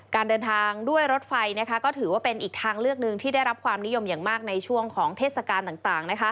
การเดินทางด้วยรถไฟก็ถือว่าเป็นอีกทางเลือกหนึ่งที่ได้รับความนิยมอย่างมากในช่วงของเทศกาลต่าง